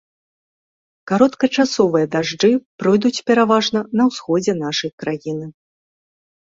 Кароткачасовыя дажджы пройдуць пераважна на ўсходзе нашай краіны.